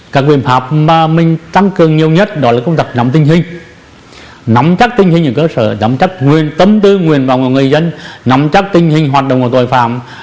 các biện pháp mà mình tăng cường nhiều nhất đó là công tác nắm tinh hình nắm chắc tinh hình ở cơ sở nắm chắc tấm tư nguyên vào người dân nắm chắc tinh hình hoạt động của tội phạm